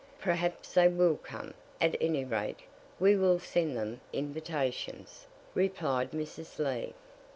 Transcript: "Perhaps they will come; at any rate we will send them invitations," replied Mrs. Lee.